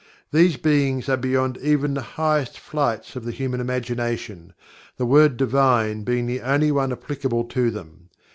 These Beings are beyond even the highest flights of the human imagination, the word "Divine" being the only one applicable to them.